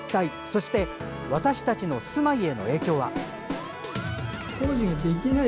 そして、私たちの住まいへの影響は。